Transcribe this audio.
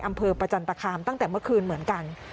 อำเภอประจันตคามตั้งแต่เมื่อคืนเหมือนกัน